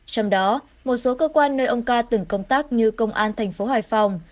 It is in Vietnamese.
trong đó một số cơ quan nơi ông ca từng công tác như công an tp hải phòng